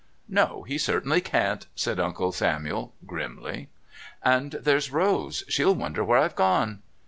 "No, he certainly can't," said Uncle Samuel grimly. "And there's Rose. She'll wonder where I've gone."